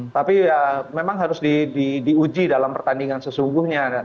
tapi ya memang harus diuji dalam pertandingan sesungguhnya